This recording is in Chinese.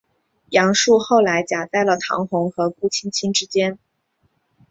杨树后来夹在了唐红和顾菁菁之间。